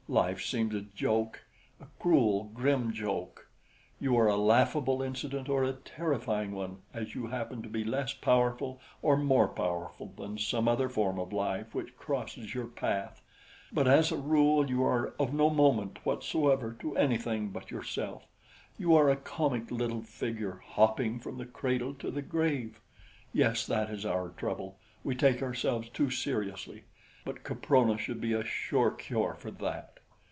Life seems a joke, a cruel, grim joke. You are a laughable incident or a terrifying one as you happen to be less powerful or more powerful than some other form of life which crosses your path; but as a rule you are of no moment whatsoever to anything but yourself. You are a comic little figure, hopping from the cradle to the grave. Yes, that is our trouble we take ourselves too seriously; but Caprona should be a sure cure for that."